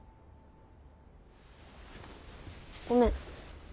ごめん。